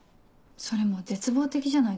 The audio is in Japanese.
それもう絶望的じゃないですか。